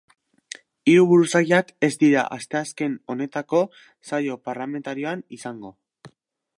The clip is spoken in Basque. Hiru buruzagiak ez dira asteazken honetako saio parlamentarioan izango.